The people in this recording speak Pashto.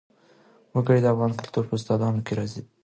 وګړي د افغان کلتور په داستانونو کې راځي.